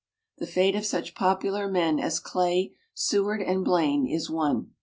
The fate of such popular men as Clay, Seward and Blaine is one.